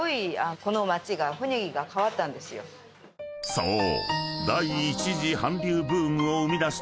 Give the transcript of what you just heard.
［そう］